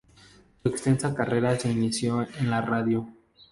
Su extensa carrera se inició en la radio.